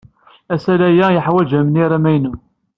Asalay-a yeḥwaj amnir amaynu.